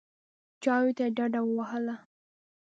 چایو ته یې ډډه ووهله.